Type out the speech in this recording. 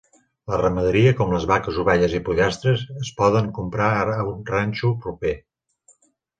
La ramaderia, com les vaques, ovelles i pollastres, es poden comprar a un ranxo proper.